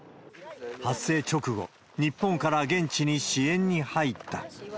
発生直後、日本から現地に支援に入った。